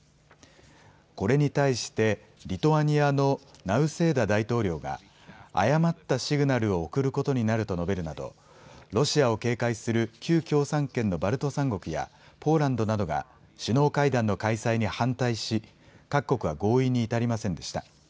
これに対してリトアニアのナウセーダ大統領が、誤ったシグナルを送ることになると述べるなどロシアを警戒する旧共産圏のバルト３国やポーランドなどが首脳会談の開催に反対し、各国は合意に至りませんでした。